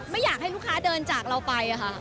ไม่อยากให้ลูกค้าเดินจากเราไปค่ะ